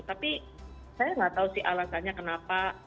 tapi saya nggak tahu sih alasannya kenapa